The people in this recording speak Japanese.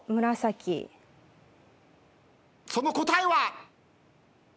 その答えは？